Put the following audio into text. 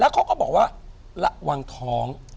เขาก็บอกว่าระวังท้อง